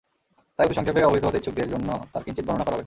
তাই অতি সংক্ষেপে অবহিত হতে ইচ্ছুকদের জন্যে তার কিঞ্চিত বর্ণনা করা হবে।